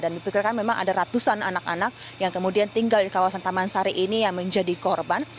dan memperkalikan memang ada ratusan anak anak yang kemudian tinggal di kawasan taman sari ini yang menjadi korban